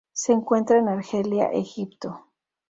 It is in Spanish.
Se encuentra en Argelia; Egipto.